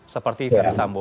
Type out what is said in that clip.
seperti verdi sambo